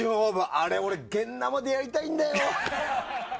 あれ、俺現ナマでやりたいんだよ。